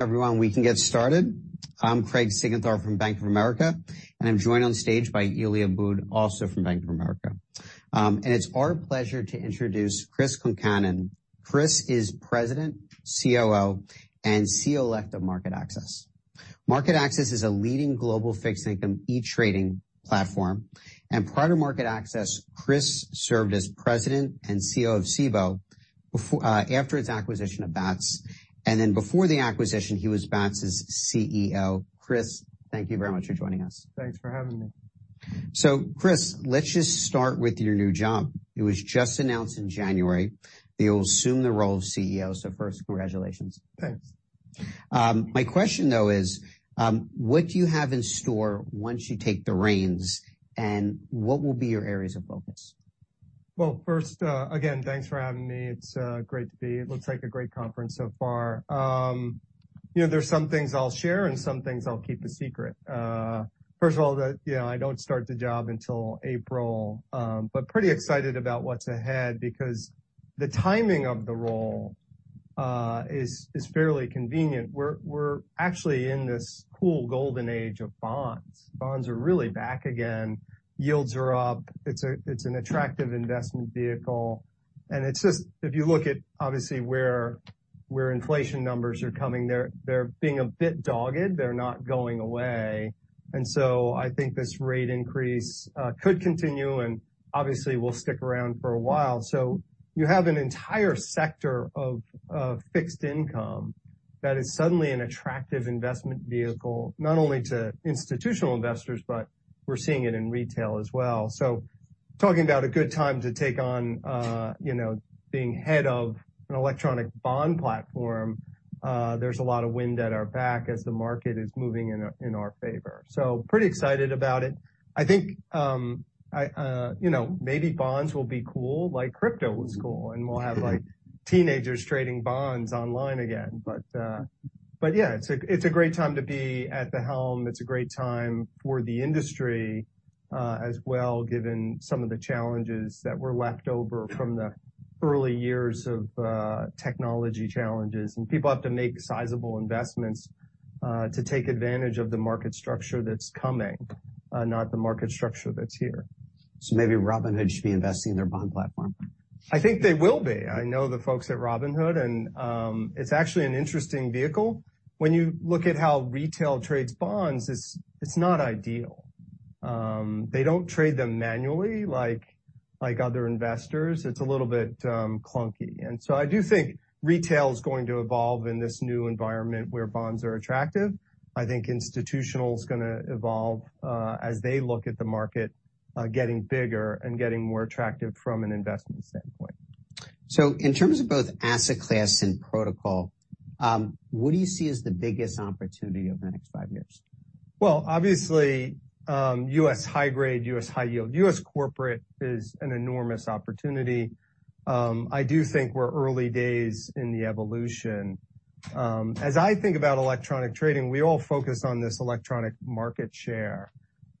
Everyone, we can get started. I'm Craig Siegenthaler from Bank of America, I'm joined on stage by Eli Abboud, also from Bank of America. It's our pleasure to introduce Chris Concannon. Chris is President, COO, and COO elect of MarketAxess. MarketAxess is a leading global fixed income e-trading platform. Prior to MarketAxess, Chris served as President and CEO of Cboe after its acquisition of Bats. Before the acquisition, he was Bats' CEO. Chris, thank you very much for joining us. Thanks for having me. Chris, let's just start with your new job. It was just announced in January that you'll assume the role of CEO, so first, congratulations. Thanks. My question, though is, what do you have in store once you take the reins, and what will be your areas of focus? Well, first, again, thanks for having me. It's great to be. It looks like a great conference so far. You know, there's some things I'll share and some things I'll keep a secret. First of all, the, you know, I don't start the job until April. Pretty excited about what's ahead because the timing of the role is fairly convenient. We're actually in this cool golden age of bonds. Bonds are really back again, yields are up. It's a, it's an attractive investment vehicle. It's just... If you look at obviously where inflation numbers are coming, they're being a bit dogged. They're not going away. I think this rate increase could continue, and obviously will stick around for a while. You have an entire sector of fixed income that is suddenly an attractive investment vehicle, not only to institutional investors, but we're seeing it in retail as well. Talking about a good time to take on, you know, being head of an electronic bond platform, there's a lot of wind at our back as the market is moving in our favor. Pretty excited about it. I think, I, you know, maybe bonds will be cool like crypto was cool, and we'll have, like, teenagers trading bonds online again. But yeah, it's a, it's a great time to be at the helm. It's a great time for the industry as well, given some of the challenges that were left over from the early years of technology challenges. People have to make sizable investments to take advantage of the market structure that's coming, not the market structure that's here. Maybe Robinhood should be investing in their bond platform. I think they will be. I know the folks at Robinhood, and it's actually an interesting vehicle. When you look at how retail trades bonds, it's not ideal. They don't trade them manually like other investors. It's a little bit clunky. I do think retail is going to evolve in this new environment where bonds are attractive. I think institutional is gonna evolve as they look at the market getting bigger and getting more attractive from an investment standpoint. In terms of both asset class and protocol, what do you see as the biggest opportunity over the next 5 years? Obviously, U.S. high grade, U.S. high yield, U.S. corporate is an enormous opportunity. I do think we're early days in the evolution. As I think about electronic trading, we all focus on this electronic market share,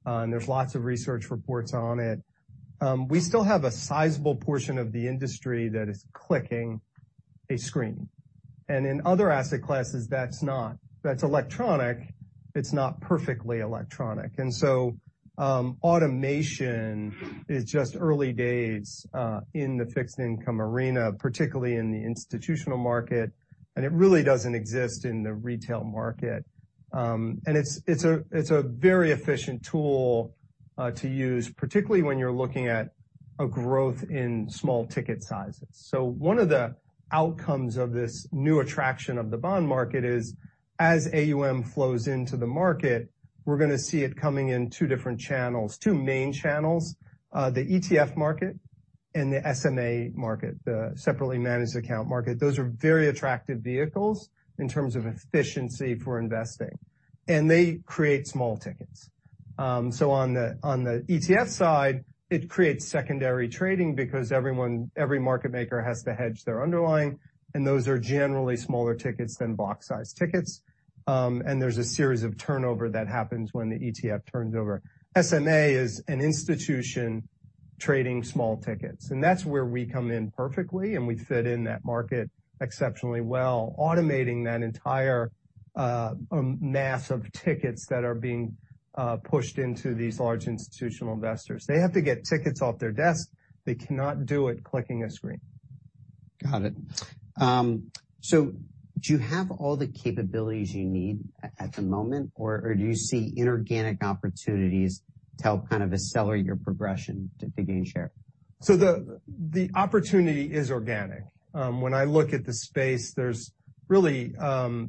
and there's lots of research reports on it. We still have a sizable portion of the industry that is clicking a screen. In other asset classes, that's not. That's electronic, it's not perfectly electronic. Automation is just early days in the fixed income arena, particularly in the institutional market, and it really doesn't exist in the retail market. It's a very efficient tool to use, particularly when you're looking at a growth in small ticket sizes. One of the outcomes of this new attraction of the bond market is, as AUM flows into the market, we're gonna see it coming in two different channels. two main channels, the ETF market and the SMA market, the separately managed account market. Those are very attractive vehicles in terms of efficiency for investing, and they create small tickets. On the ETF side, it creates secondary trading because every market maker has to hedge their underlying, and those are generally smaller tickets than box-sized tickets. There's a series of turnover that happens when the ETF turns over. SMA is an institution trading small tickets, and that's where we come in perfectly, and we fit in that market exceptionally well, automating that entire mass of tickets that are being pushed into these large institutional investors. They have to get tickets off their desk, they cannot do it clicking a screen. Got it. Do you have all the capabilities you need at the moment, or do you see inorganic opportunities to help kind of accelerate your progression to gain share? The opportunity is organic. When I look at the space, there's really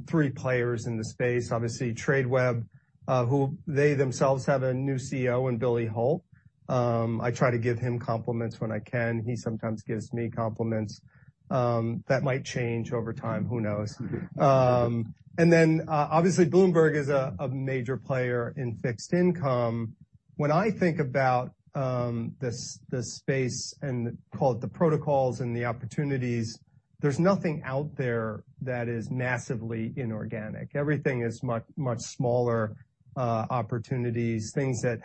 three players in the space. Obviously, Tradeweb, who they themselves have a new CEO in Billy Hult. I try to give him compliments when I can. He sometimes gives me compliments. That might change over time. Who knows? Obviously Bloomberg is a major player in fixed income. When I think about this space and call it the protocols and the opportunities, there's nothing out there that is massively inorganic. Everything is much, much smaller opportunities, things that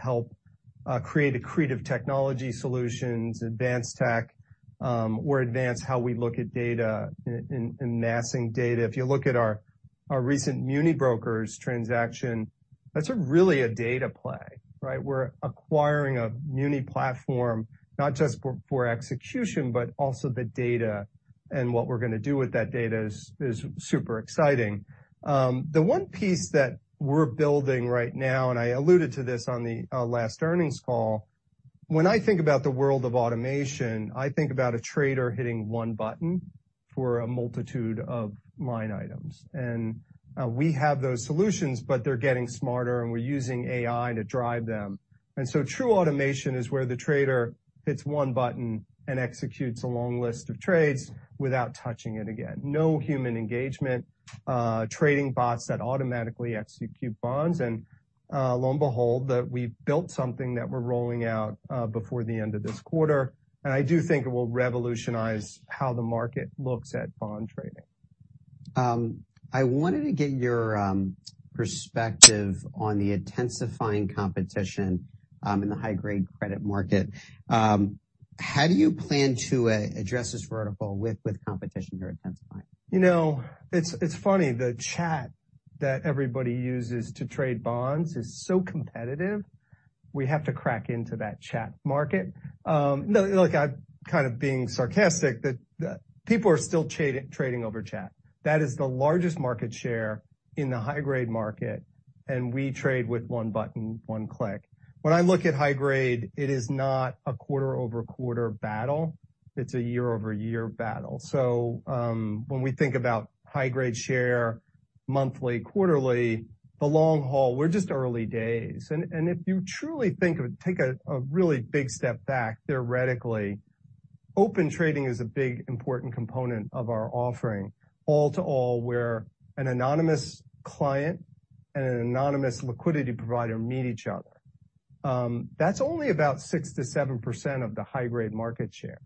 create a creative technology solutions, advanced tech, or advance how we look at data and amassing data. If you look at our recent MuniBrokers transaction, that's a really a data play, right? We're acquiring a muni platform not just for execution, but also the data, and what we're gonna do with that data is super exciting. The one piece that we're building right now, and I alluded to this on the last earnings call, when I think about the world of automation, I think about a trader hitting one button for a multitude of line items. We have those solutions, but they're getting smarter, and we're using AI to drive them. True automation is where the trader hits one button and executes a long list of trades without touching it again. No human engagement, trading bots that automatically execute bonds. Lo and behold, that we've built something that we're rolling out, before the end of this quarter, and I do think it will revolutionize how the market looks at bond trading. I wanted to get your perspective on the intensifying competition in the high-grade credit market. How do you plan to address this vertical with competition you're intensifying? You know, it's funny, the chat that everybody uses to trade bonds is so competitive, we have to crack into that chat market. No, look, I'm kind of being sarcastic that people are still trading over chat. That is the largest market share in the high-grade market, we trade with one button, one click. When I look at high grade, it is not a quarter-over-quarter battle, it's a year-over-year battle. When we think about high-grade share monthly, quarterly, the long haul, we're just early days. If you truly take a really big step back theoretically, Open Trading is a big important component of our offering, all-to-all where an anonymous client and an anonymous liquidity provider meet each other. That's only about 6%-7% of the high-grade market share.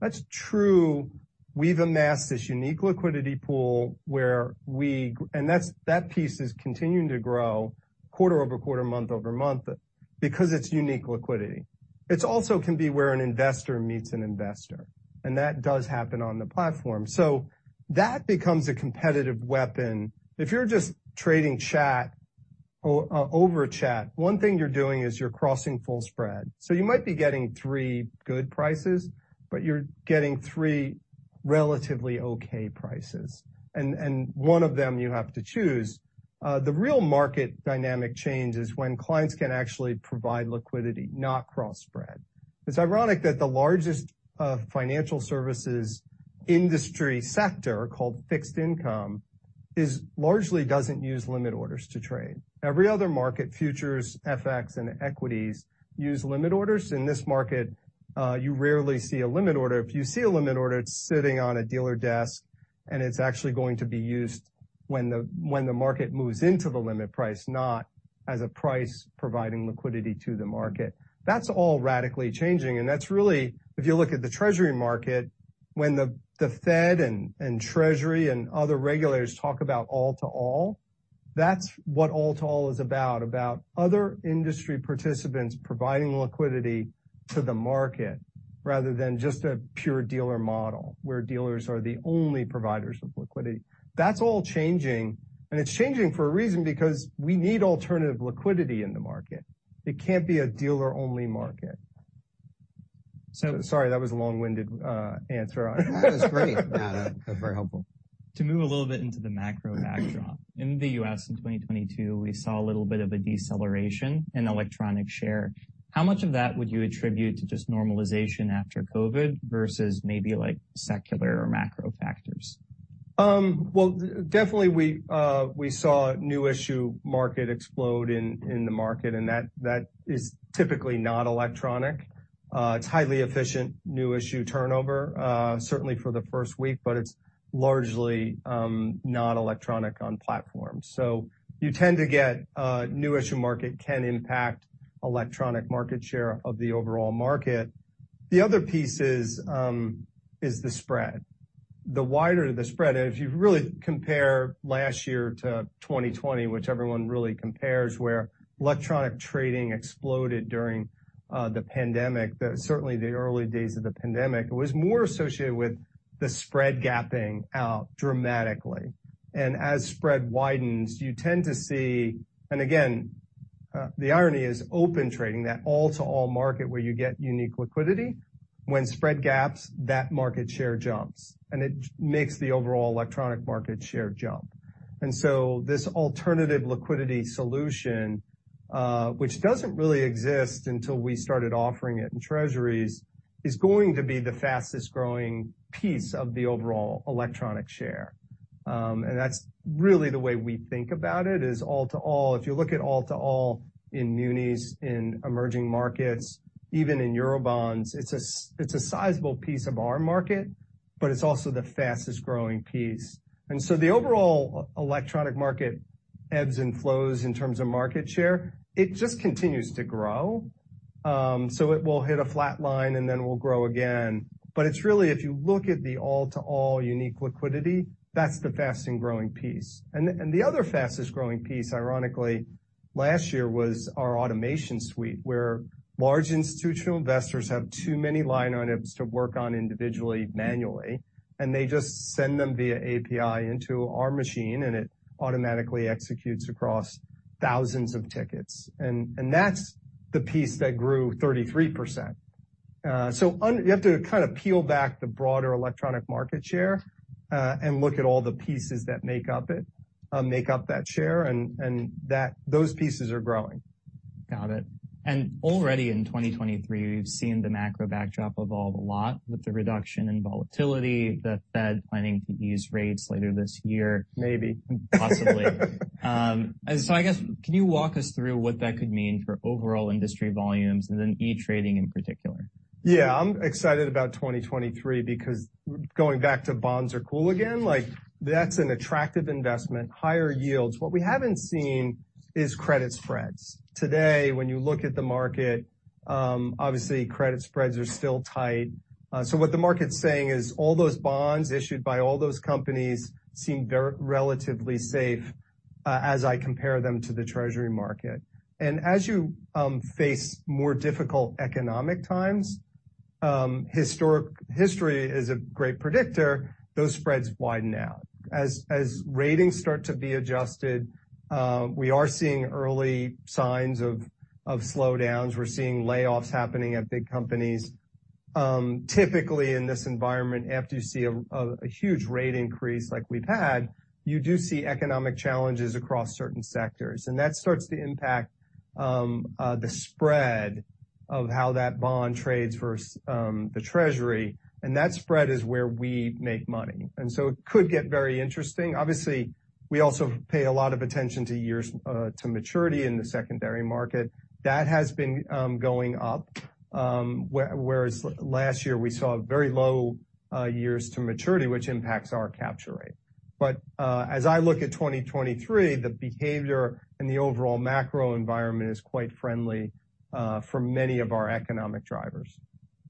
That's true. We've amassed this unique liquidity pool where that piece is continuing to grow quarter-over-quarter, month-over-month because it's unique liquidity. It's also can be where an investor meets an investor. That does happen on the platform. That becomes a competitive weapon. If you're just trading chat over chat, one thing you're doing is you're crossing full spread. You might be getting three good prices, but you're getting three relatively okay prices, and one of them you have to choose. The real market dynamic change is when clients can actually provide liquidity, not cross-spread. It's ironic that the largest financial services industry sector, called fixed income, largely doesn't use limit orders to trade. Every other market, futures, FX, and equities use limit orders. In this market, you rarely see a limit order. If you see a limit order, it's sitting on a dealer desk. It's actually going to be used when the market moves into the limit price, not as a price providing liquidity to the market. That's all radically changing. That's really. If you look at the Treasury market, when the Fed and Treasury and other regulators talk about all-to-all, that's what all-to-all is about, other industry participants providing liquidity to the market rather than just a pure dealer model where dealers are the only providers of liquidity. That's all changing. It's changing for a reason, because we need alternative liquidity in the market. It can't be a dealer-only market. So- Sorry, that was a long-winded answer. That was great. That's very helpful. To move a little bit into the macro backdrop. In the U.S. in 2022, we saw a little bit of a deceleration in electronic share. How much of that would you attribute to just normalization after COVID versus maybe like secular or macro factors? Well, definitely we saw new issue market explode in the market. That is typically not electronic. It's highly efficient new issue turnover, certainly for the first week, but it's largely not electronic on platform. You tend to get new issue market can impact electronic market share of the overall market. The other piece is the spread. The wider the spread is. If you really compare last year to 2020, which everyone really compares, where electronic trading exploded during the pandemic, certainly the early days of the pandemic, it was more associated with the spread gapping out dramatically. As spread widens, you tend to see... Again, the irony is Open Trading, that all-to-all market where you get unique liquidity, when spread gaps, that market share jumps, and it makes the overall electronic market share jump. This alternative liquidity solution, which doesn't really exist until we started offering it in Treasuries, is going to be the fastest growing piece of the overall electronic share. That's really the way we think about it, is all-to-all. If you look at all-to-all in munis, in emerging markets, even in Eurobonds, it's a sizable piece of our market, but it's also the fastest growing piece. The overall electronic market ebbs and flows in terms of market share. It just continues to grow. It will hit a flat line, and then we'll grow again. It's really, if you look at the all-to-all unique liquidity, that's the fastest-growing piece. The other fastest-growing piece, ironically, last year was our automation suite, where large institutional investors have too many line items to work on individually manually, and they just send them via API into our machine, and it automatically executes across thousands of tickets. That's the piece that grew 33%. You have to kind of peel back the broader electronic market share, and look at all the pieces that make up it, make up that share, and that... those pieces are growing. Got it. Already in 2023, we've seen the macro backdrop evolve a lot with the reduction in volatility, the Fed planning to use rates later this year. Maybe. Possibly. I guess can you walk us through what that could mean for overall industry volumes and then e-trading in particular? Yeah. I'm excited about 2023 because going back to bonds are cool again, like that's an attractive investment, higher yields. What we haven't seen is credit spreads. Today, when you look at the market, obviously, credit spreads are still tight. What the market's saying is all those bonds issued by all those companies seem relatively safe, as I compare them to the Treasury market. As you face more difficult economic times, history is a great predictor, those spreads widen out. As ratings start to be adjusted, we are seeing early signs of slowdowns. We're seeing layoffs happening at big companies. Typically in this environment, after you see a huge rate increase like we've had, you do see economic challenges across certain sectors, and that starts to impact the spread of how that bond trades versus the Treasury, and that spread is where we make money. It could get very interesting. Obviously, we also pay a lot of attention to years to maturity in the secondary market. That has been going up, whereas last year we saw very low years to maturity, which impacts our capture rate. As I look at 2023, the behavior and the overall macro environment is quite friendly for many of our economic drivers.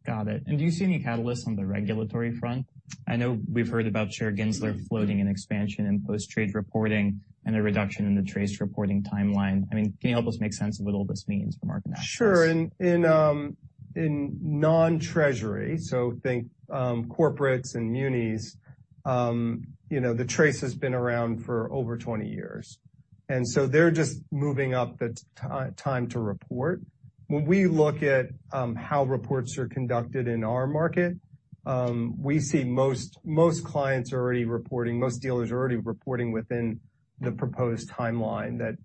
Got it. Do you see any catalysts on the regulatory front? I know we've heard about Chair Gensler floating an expansion in post-trade reporting and a reduction in the TRACE reporting timeline. I mean, can you help us make sense of what all this means for market actors? Sure. In non-Treasury, so think corporates and munis, you know, TRACE has been around for over 20 years. They're just moving up the time to report. When we look at how reports are conducted in our market, we see most clients are already reporting, most dealers are already reporting within the proposed timeline that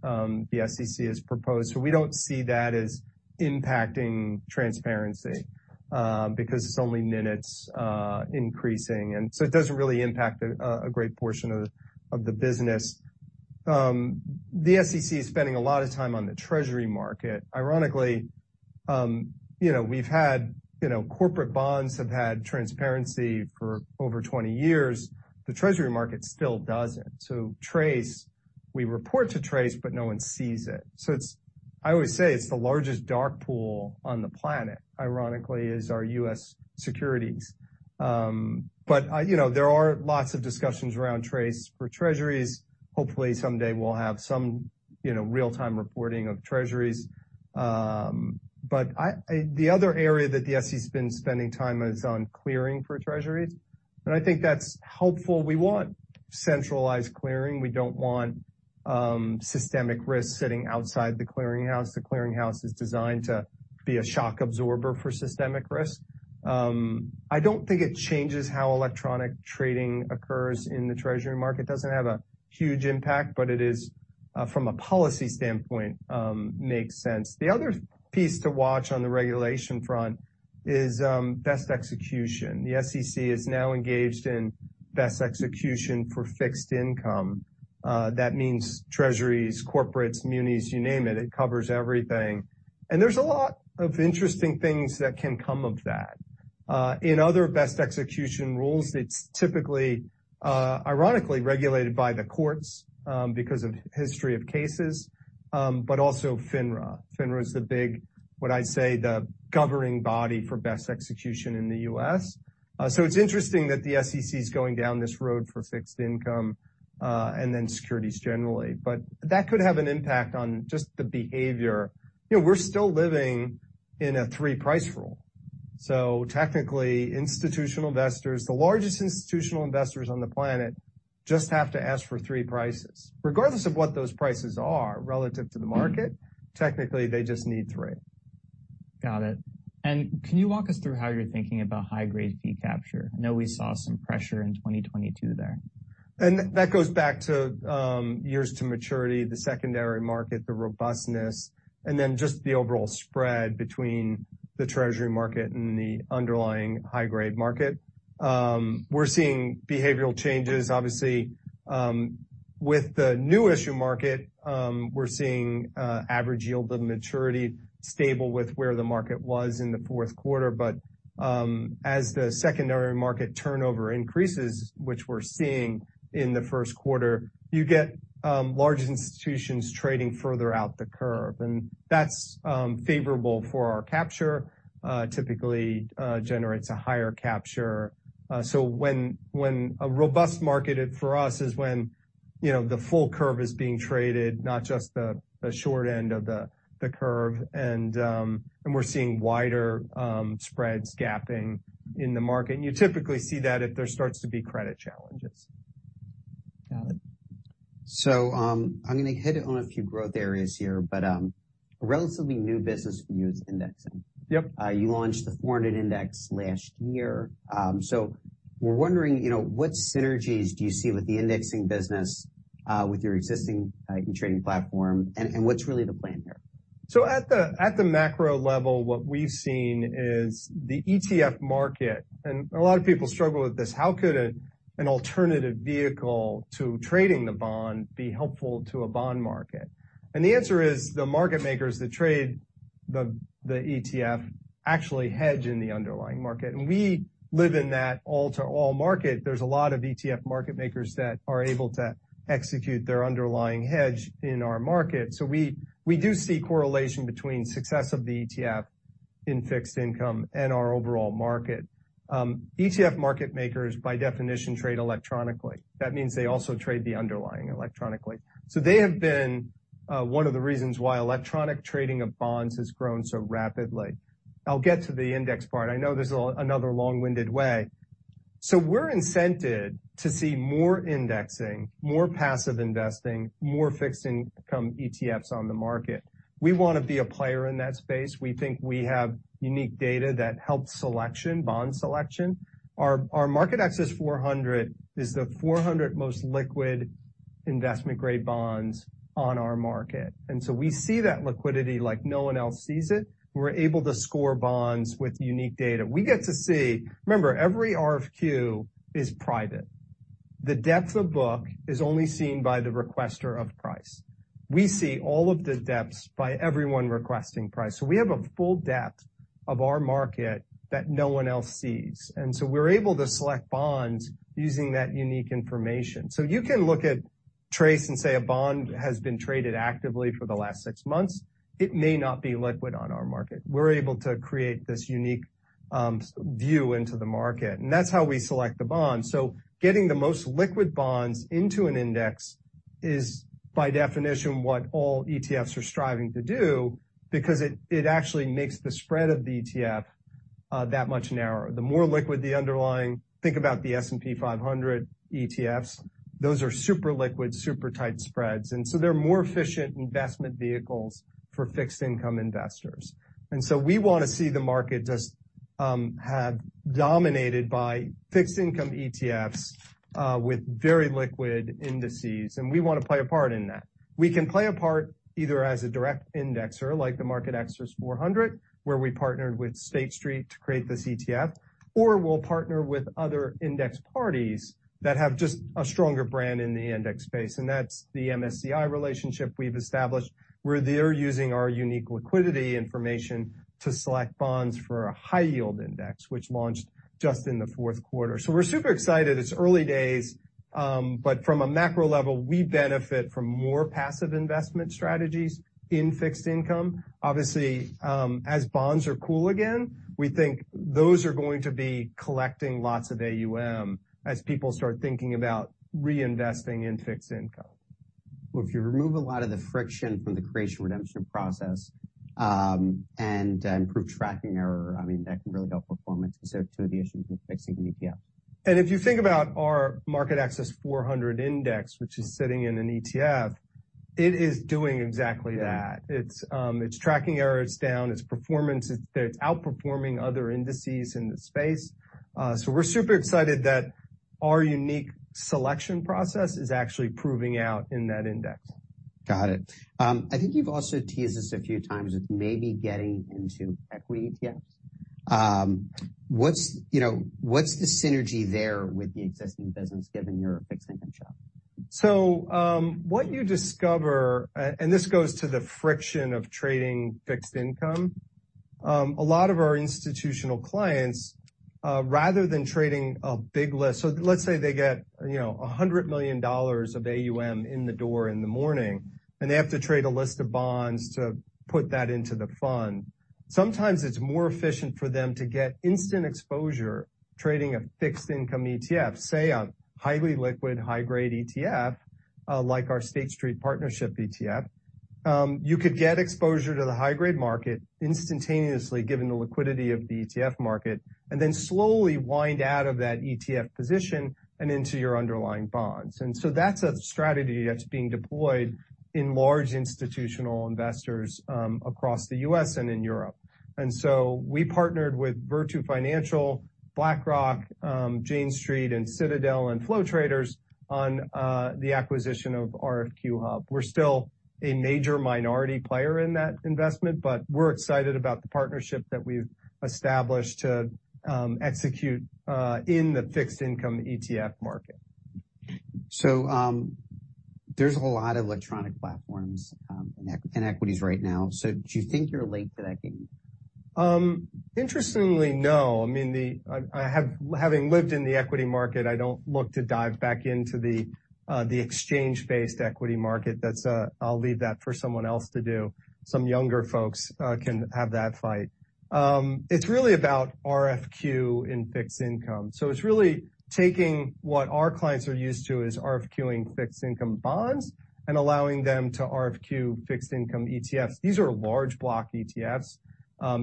the SEC has proposed. We don't see that as impacting transparency, because it's only minutes increasing. It doesn't really impact a great portion of the business. The SEC is spending a lot of time on the Treasury market. Ironically, you know, corporate bonds have had transparency for over 20 years. The Treasury market still doesn't. TRACE, we report to TRACE, but no one sees it. I always say it's the largest dark pool on the planet, ironically, is our U.S. securities. You know, there are lots of discussions around TRACE for Treasuries. Hopefully someday we'll have some, you know, real-time reporting of Treasuries. The other area that the SEC's been spending time is on clearing for Treasuries, and I think that's helpful. We want centralized clearing. We don't want systemic risks sitting outside the clearing house. The clearing house is designed to be a shock absorber for systemic risk. I don't think it changes how electronic trading occurs in the Treasury market. Doesn't have a huge impact, but it is, from a policy standpoint, makes sense. The other piece to watch on the regulation front is best execution. The SEC is now engaged in best execution for fixed income. That means Treasuries, corporates, munis, you name it. It covers everything. There's a lot of interesting things that can come of that. In other Best Execution rules, it's typically, ironically regulated by the courts, because of history of cases, but also FINRA. FINRA is the big, what I'd say, the governing body for Best Execution in the U.S. It's interesting that the SEC is going down this road for fixed-income, and then securities generally. That could have an impact on just the behavior. You know, we're still living in a three-price rule. Technically, institutional investors, the largest institutional investors on the planet just have to ask for three prices. Regardless of what those prices are relative to the market, technically, they just need three. Got it. Can you walk us through how you're thinking about high-grade fee capture? I know we saw some pressure in 2022 there. That goes back to years to maturity, the secondary market, the robustness, and then just the overall spread between the Treasury market and the underlying high-grade market. We're seeing behavioral changes, obviously. With the new issue market, we're seeing average yield to maturity stable with where the market was in the fourth quarter. As the secondary market turnover increases, which we're seeing in the first quarter, you get large institutions trading further out the curve, and that's favorable for our capture, typically generates a higher capture. A robust market for us is when you know, the full curve is being traded, not just the short end of the curve. We're seeing wider spreads gapping in the market. You typically see that if there starts to be credit challenges. Got it. I'm gonna hit on a few growth areas here, but a relatively new business for you is indexing. Yep. You launched the 400 index last year. We're wondering, you know, what synergies do you see with the indexing business, with your existing trading platform, and what's really the plan here? At the macro level, what we've seen is the ETF market. A lot of people struggle with this. How could an alternative vehicle to trading the bond be helpful to a bond market? The answer is, the market makers that trade the ETF actually hedge in the underlying market. We live in that all-to-all market. There's a lot of ETF market makers that are able to execute their underlying hedge in our market. We do see correlation between success of the ETF in fixed income and our overall market. ETF market makers, by definition, trade electronically. That means they also trade the underlying electronically. They have been one of the reasons why electronic trading of bonds has grown so rapidly. I'll get to the index part. I know this is another long-winded way. We're incented to see more indexing, more passive investing, more fixed income ETFs on the market. We wanna be a player in that space. We think we have unique data that helps selection, bond selection. Our MarketAxess 400 is the 400 most liquid investment-grade bonds on our market. We see that liquidity like no one else sees it, and we're able to score bonds with unique data. We get to see. Remember, every RFQ is private. The depth of book is only seen by the requester of price. We see all of the depths by everyone requesting price. We have a full depth of our market that no one else sees. We're able to select bonds using that unique information. You can look at TRACE and say a bond has been traded actively for the last six months. It may not be liquid on our market. We're able to create this unique view into the market, and that's how we select the bonds. Getting the most liquid bonds into an index is by definition what all ETFs are striving to do because it actually makes the spread of the ETF that much narrower. The more liquid the underlying. Think about the S&P 500 ETFs. Those are super liquid, super tight spreads, they're more efficient investment vehicles for fixed income investors. We wanna see the market just dominated by fixed income ETFs with very liquid indices, and we wanna play a part in that. We can play a part either as a direct indexer, like the MarketAxess 400, where we partnered with State Street to create this ETF, or we'll partner with other index parties that have just a stronger brand in the index space, and that's the MSCI relationship we've established, where they're using our unique liquidity information to select bonds for a high-yield index, which launched just in the fourth quarter. We're super excited. It's early days, but from a macro level, we benefit from more passive investment strategies in fixed income. Obviously, as bonds are cool again, we think those are going to be collecting lots of AUM as people start thinking about reinvesting in fixed income. If you remove a lot of the friction from the creation redemption process, and improve tracking error, I mean, that can really help performance. Those are two of the issues with fixing an ETF. If you think about our MarketAxess 400 index, which is sitting in an ETF, it is doing exactly that. Yeah. Its tracking error is down. Its performance, it's outperforming other indices in the space. We're super excited that our unique selection process is actually proving out in that index. Got it. I think you've also teased this a few times with maybe getting into equity ETFs. What's, you know, what's the synergy there with the existing business given your fixed income shop? What you discover. And this goes to the friction of trading fixed income. A lot of our institutional clients, rather than trading a big list. Let's say they get, you know, $100 million of AUM in the door in the morning, and they have to trade a list of bonds to put that into the fund. Sometimes it's more efficient for them to get instant exposure trading a fixed income ETF, say a highly liquid, high-grade ETF, like our State Street partnership ETF. You could get exposure to the high-grade market instantaneously given the liquidity of the ETF market, and then slowly wind out of that ETF position and into your underlying bonds. That's a strategy that's being deployed in large institutional investors, across the U.S. and in Europe. We partnered with Virtu Financial, BlackRock, Jane Street, and Citadel, and Flow Traders on the acquisition of RFQ-hub. We're still a major minority player in that investment, but we're excited about the partnership that we've established to execute in the fixed income ETF market. There's a lot of electronic platforms, in equities right now. Do you think you're late to that game? Interestingly, no. Having lived in the equity market, I don't look to dive back into the exchange-based equity market. That's, I'll leave that for someone else to do. Some younger folks can have that fight. It's really about RFQ in fixed income. It's really taking what our clients are used to as RFQ-ing fixed income bonds and allowing them to RFQ fixed income ETFs. These are large block ETFs.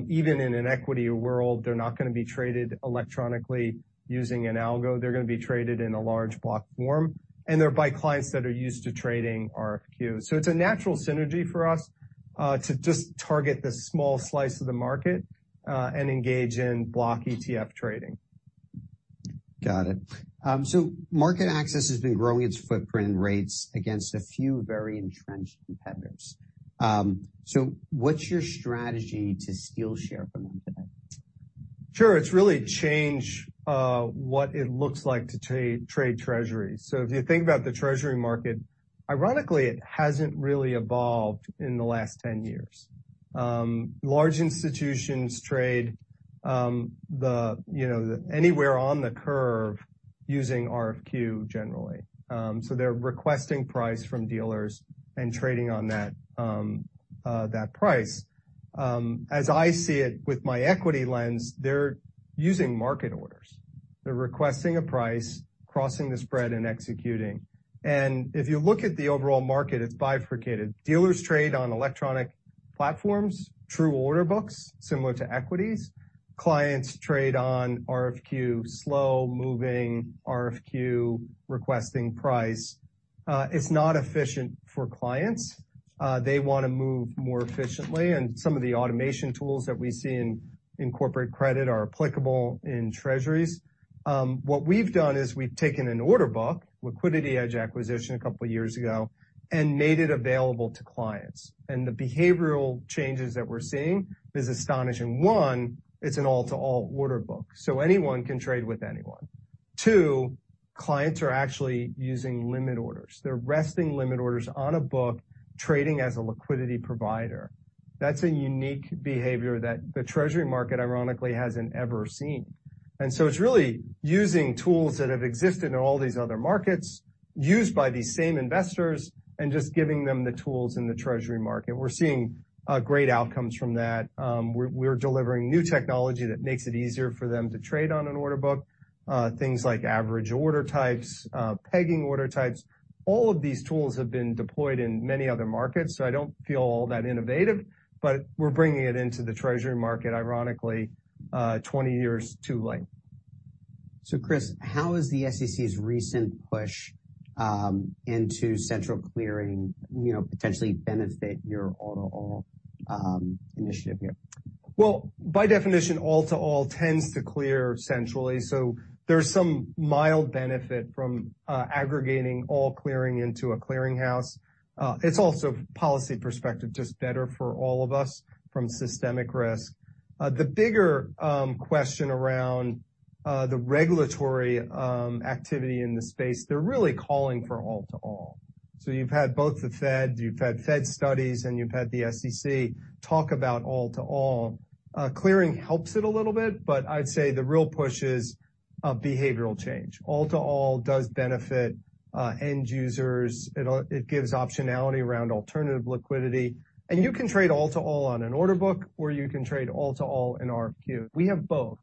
Even in an equity world, they're not gonna be traded electronically using an algo. They're gonna be traded in a large block form, and they're by clients that are used to trading RFQ. It's a natural synergy for us to just target this small slice of the market and engage in block ETF trading. Got it. MarketAxess has been growing its footprint in rates against a few very entrenched competitors. What's your strategy to steal share from them today? Sure. It's really change what it looks like to trade Treasuries. If you think about the Treasury market, ironically, it hasn't really evolved in the last 10 years. Large institutions trade, you know, anywhere on the curve using RFQ generally. They're requesting price from dealers and trading on that price. As I see it with my equity lens, they're using market orders. They're requesting a price, crossing the spread and executing. If you look at the overall market, it's bifurcated. Dealers trade on electronic platforms, true order books similar to equities. Clients trade on RFQ, slow-moving RFQ, requesting price. It's not efficient for clients. They wanna move more efficiently, and some of the automation tools that we see in corporate credit are applicable in Treasuries. What we've done is we've taken an order book, LiquidityEdge acquisition a couple years ago, and made it available to clients. The behavioral changes that we're seeing is astonishing. One, it's an all-to-all order book, so anyone can trade with anyone. Two, clients are actually using limit orders. They're resting limit orders on a book, trading as a liquidity provider. That's a unique behavior that the Treasury market, ironically, hasn't ever seen. It's really using tools that have existed in all these other markets used by these same investors and just giving them the tools in the Treasury market. We're seeing great outcomes from that. We're delivering new technology that makes it easier for them to trade on an order book. Things like average order types, pegging order types, all of these tools have been deployed in many other markets, so I don't feel all that innovative, but we're bringing it into the Treasury market, ironically, 20 years too late. Chris, how is the SEC's recent push, into central clearing, you know, potentially benefit your all-to-all, initiative here? Well, by definition, all-to-all tends to clear centrally, so there's some mild benefit from aggregating all clearing into a clearing house. It's also policy perspective, just better for all of us from systemic risk. The bigger question around the regulatory activity in the space, they're really calling for all-to-all. You've had both the Fed, you've had Fed studies, and you've had the SEC talk about all-to-all. Clearing helps it a little bit, but I'd say the real push is a behavioral change. All-to-all does benefit end users. It gives optionality around alternative liquidity, and you can trade all-to-all on an order book, or you can trade all-to-all in RFQ. We have both.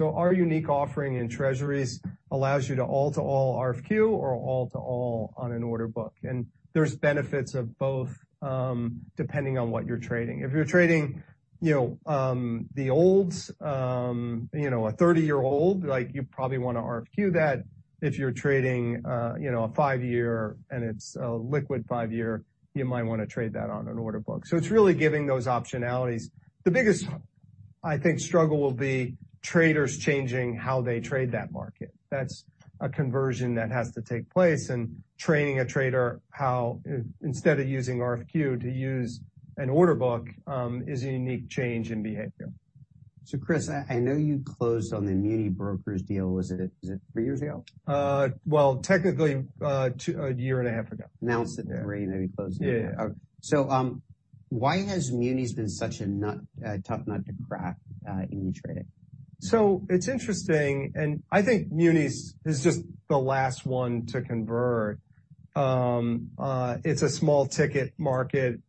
Our unique offering in Treasuries allows you to all-to-all RFQ or all-to-all on an order book. There's benefits of both, depending on what you're trading. If you're trading, you know, the olds, you know, a 30-year-old, like, you probably wanna RFQ that. If you're trading, you know, a 5-year and it's a liquid 5-year, you might wanna trade that on an order book. It's really giving those optionalities. The biggest, I think, struggle will be traders changing how they trade that market. That's a conversion that has to take place, and training a trader how instead of using RFQ to use an order book, is a unique change in behavior. Chris, I know you closed on the MuniBrokers deal. Was it three years ago? Well, technically, a year and a half ago. Announced it three, maybe closed it a year. Yeah. Why has Munis been such a tough nut to crack in e-trading? It's interesting, and I think Munis is just the last one to convert. It's a small ticket market.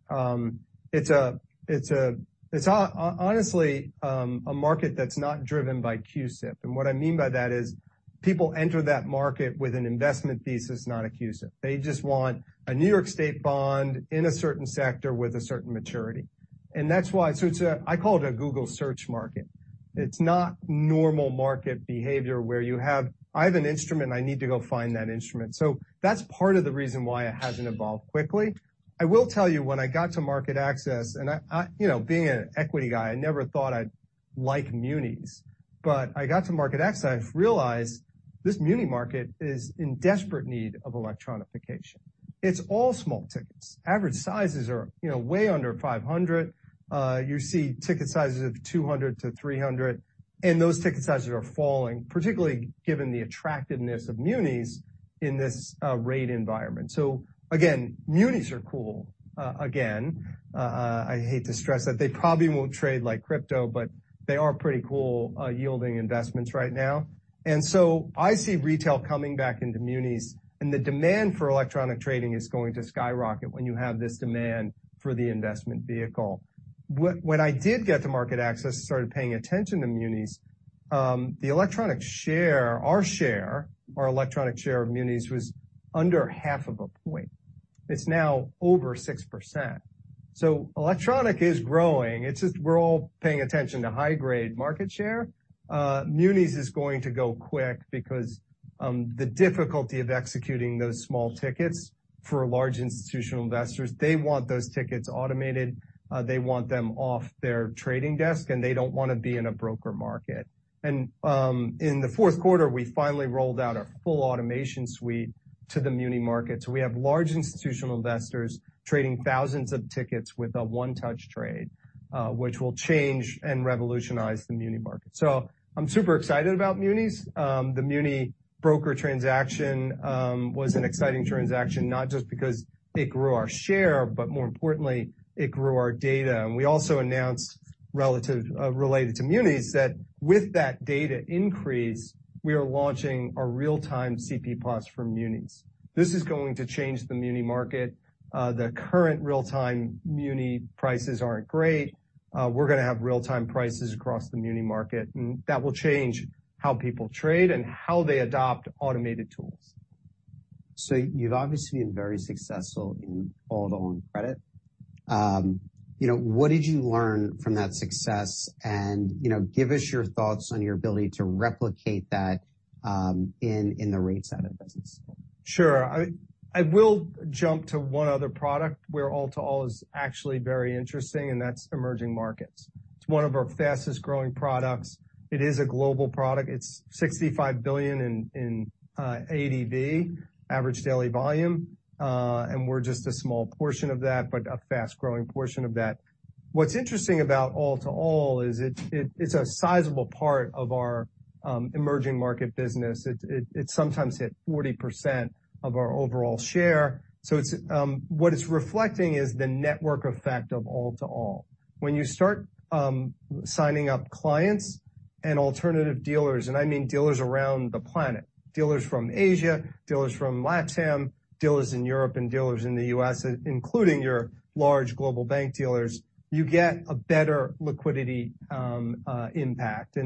It's honestly a market that's not driven by CUSIP. What I mean by that is people enter that market with an investment thesis, not a CUSIP. They just want a New York State bond in a certain sector with a certain maturity. That's why I call it a Google search market. It's not normal market behavior where you have, "I have an instrument, and I need to go find that instrument." That's part of the reason why it hasn't evolved quickly. I will tell you, when I got to MarketAxess, and I, you know, being an equity guy, I never thought I'd like Munis. I got to MarketAxess, I've realized this Muni market is in desperate need of electronification. It's all small tickets. Average sizes are, you know, way under 500. You see ticket sizes of 200-300, and those ticket sizes are falling, particularly given the attractiveness of Munis in this rate environment. Again, Munis are cool again. I hate to stress that they probably won't trade like crypto, but they are pretty cool yielding investments right now. I see retail coming back into Munis, and the demand for electronic trading is going to skyrocket when you have this demand for the investment vehicle. When I did get to MarketAxess and started paying attention to Munis, the electronic share, our electronic share of Munis was under half of a point. It's now over 6%. Electronic is growing. It's just we're all paying attention to high-grade market share. munis is going to go quick because the difficulty of executing those small tickets for large institutional investors, they want those tickets automated, they want them off their trading desk, and they don't wanna be in a broker market. In the fourth quarter, we finally rolled out a full automation suite to the muni market. We have large institutional investors trading thousands of tickets with a one-touch trade, which will change and revolutionize the muni market. I'm super excited about munis. The MuniBrokers transaction was an exciting transaction, not just because it grew our share, but more importantly, it grew our data. We also announced related to munis that with that data increase, we are launching a real-time CP+ for munis. This is going to change the muni market. The current real-time muni prices aren't great. We're gonna have real-time prices across the muni market. That will change how people trade and how they adopt automated tools. You've obviously been very successful in all-to-all credit. You know, what did you learn from that success? You know, give us your thoughts on your ability to replicate that in the rates out of the business. Sure. I will jump to one other product where all-to-all is actually very interesting, and that's emerging markets. It's one of our fastest-growing products. It is a global product. It's $65 billion in ADV, average daily volume, and we're just a small portion of that, but a fast-growing portion of that. What's interesting about all-to-all is it's a sizable part of our emerging market business. It sometimes hit 40% of our overall share. What it's reflecting is the network effect of all-to-all. When you start signing up clients and alternative dealers, and I mean dealers around the planet, dealers from Asia, dealers from LatAm, dealers in Europe and dealers in the U.S., including your large global bank dealers, you get a better liquidity impact.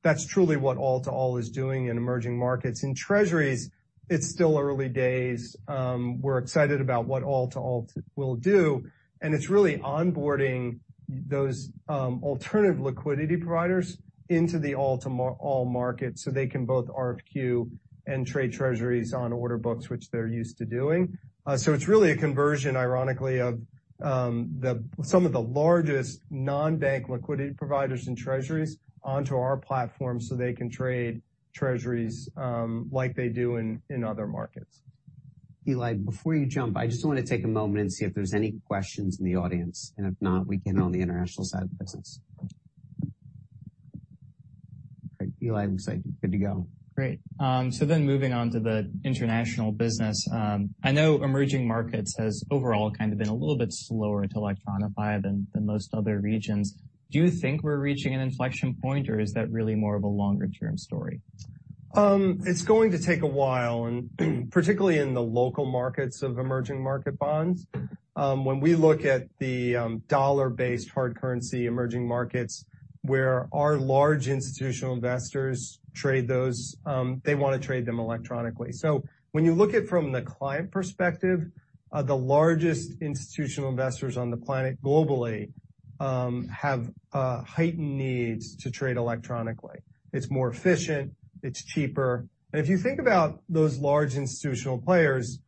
That's truly what all-to-all is doing in emerging markets. In Treasuries, it's still early days. We're excited about what all-to-all will do, and it's really onboarding those alternative liquidity providers into the all-to-all market, so they can both RFQ and trade Treasuries on order books, which they're used to doing. It's really a conversion, ironically, of the, some of the largest non-bank liquidity providers in Treasuries onto our platform so they can trade Treasuries like they do in other markets. Eli, before you jump, I just wanna take a moment and see if there's any questions in the audience. If not, we can on the international side of the business. Great. Eli, looks like you're good to go. Great. Moving on to the international business. I know emerging markets has overall kind of been a little bit slower to electronify than most other regions. Do you think we're reaching an inflection point, or is that really more of a longer-term story? It's going to take a while, and particularly in the local markets of emerging market bonds. When we look at the dollar-based hard currency emerging markets, where our large institutional investors trade those, they wanna trade them electronically. When you look at it from the client perspective, the largest institutional investors on the planet globally, have heightened needs to trade electronically. It's more efficient. It's cheaper. If you think about those large institutional players,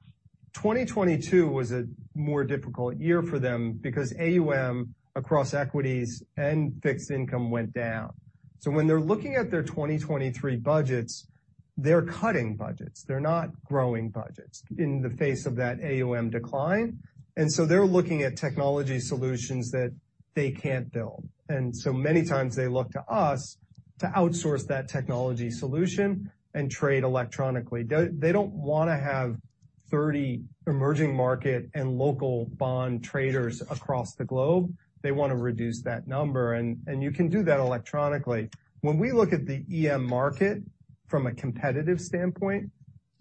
2022 was a more difficult year for them because AUM across equities and fixed income went down. When they're looking at their 2023 budgets, they're cutting budgets. They're not growing budgets in the face of that AUM decline. They're looking at technology solutions that they can't build. Many times they look to us to outsource that technology solution and trade electronically. They don't wanna have 30 emerging market and local bond traders across the globe. They wanna reduce that number, and you can do that electronically. When we look at the EM market from a competitive standpoint,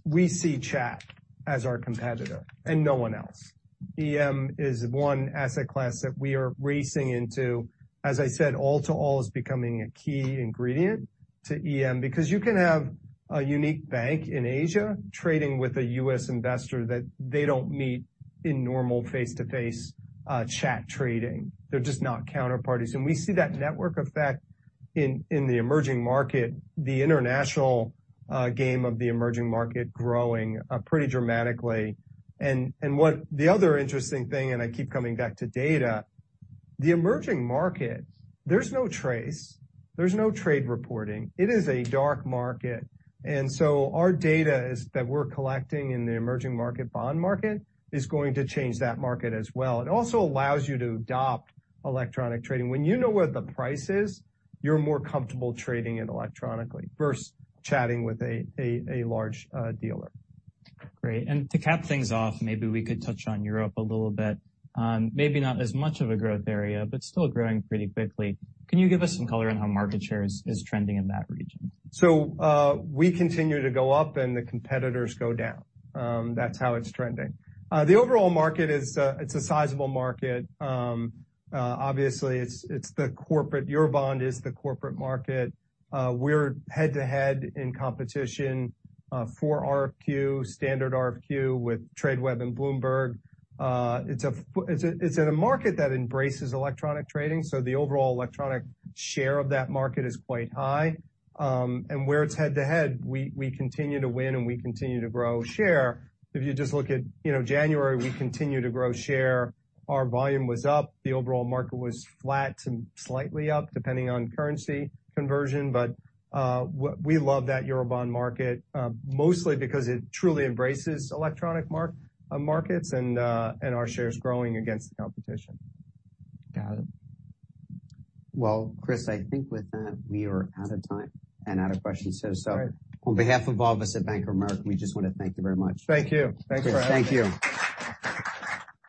we see chat as our competitor and no one else. EM is one asset class that we are racing into. As I said, all-to-all is becoming a key ingredient to EM because you can have a unique bank in Asia trading with a U.S. investor that they don't meet in normal face-to-face chat trading. They're just not counterparties. We see that network effect in the emerging market, the international game of the emerging market growing pretty dramatically. What the other interesting thing, and I keep coming back to data, the emerging markets, there's no TRACE, there's no trade reporting. It is a dark market. Our data is that we're collecting in the emerging market bond market is going to change that market as well. It also allows you to adopt electronic trading. When you know what the price is, you're more comfortable trading it electronically versus chatting with a large dealer. Great. To cap things off, maybe we could touch on Europe a little bit. Maybe not as much of a growth area, but still growing pretty quickly. Can you give us some color on how market share is trending in that region? We continue to go up, and the competitors go down. That's how it's trending. The overall market is, it's a sizable market. Obviously, it's the corporate. Eurobond is the corporate market. We're head-to-head in competition for RFQ, standard RFQ with Tradeweb and Bloomberg. It's a market that embraces electronic trading, so the overall electronic share of that market is quite high. Where it's head-to-head, we continue to win, and we continue to grow share. If you just look at, you know, January, we continue to grow share. Our volume was up. The overall market was flat, some slightly up, depending on currency conversion. We love that Eurobond market, mostly because it truly embraces electronic markets and our share is growing against the competition. Got it. Chris, I think with that, we are out of time and out of questions. All right. On behalf of all of us at Bank of America, we just wanna thank you very much. Thank you. Thanks for having me. Thank you.